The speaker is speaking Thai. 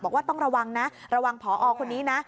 ต้องระวังนะระวังผอคนนี้นะ